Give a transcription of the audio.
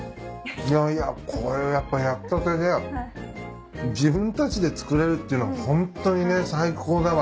いやいやこれやっぱ焼きたてで自分たちで作れるっていうのはホントにね最高だわ。